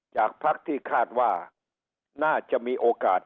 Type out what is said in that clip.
จากพักที่คาดว่าน่าจะมีโอกาส